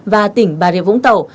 và tỉnh bà rịa vũng tẩu